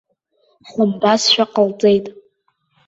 Ҳлымбазшәа ҟалҵеит.